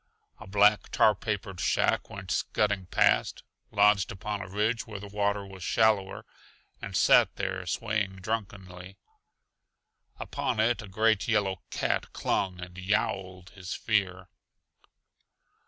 A black, tar papered shack went scudding past, lodged upon a ridge where the water was shallower, and sat there swaying drunkenly. Upon it a great yellow cat clung and yowled his fear.